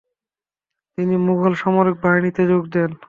তিনি মোঘল সামরিক বাহিনীতে যোগ দেন।